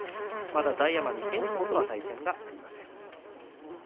まだ大奄美と炎鵬との対戦がありません。